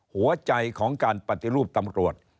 หัวใจของการปฏิรูปตำรวจ